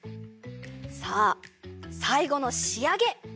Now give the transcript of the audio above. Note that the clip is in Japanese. さあさいごのしあげ！